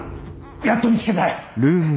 やっと見つけたよ。